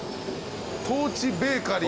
トーチベーカリー。